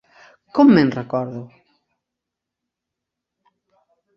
Com me'n recordo?